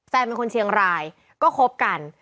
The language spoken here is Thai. เป็นคนเชียงรายก็คบกัน